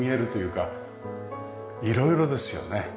色々ですよね。